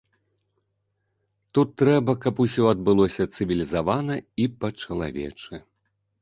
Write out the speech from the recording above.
Тут трэба, каб усё адбылося цывілізавана і па-чалавечы.